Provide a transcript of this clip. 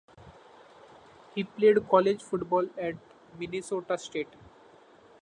He played college football at Minnesota State.